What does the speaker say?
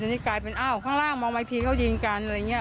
นี่กลายเป็นอ้าวข้างล่างมองมาอีกทีเขายิงกันอะไรอย่างนี้